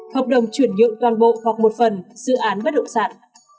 hợp đồng chuyển nhượng toàn bộ hoặc một phần dự án bất động sản